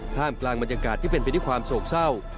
ท่ามกลางบรรยากาศที่เป็นไปด้วยความโศกเศร้า